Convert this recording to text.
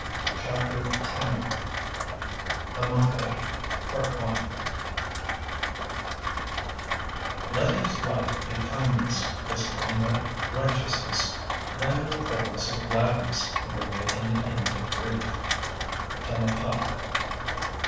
CHAPTER X THE MONKHOOD I 'Let his life be kindness, his conduct righteousness; then in the fulness of gladness he will make an end of grief.' _Dammapada.